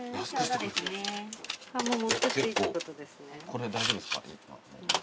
これ大丈夫ですか？